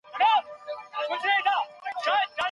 په ټولنيز سياست کي ونډه واخلئ.